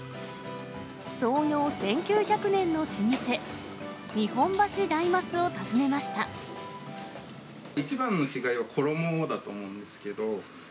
創業１９００年の老舗、一番の違いは衣だと思うんですけど。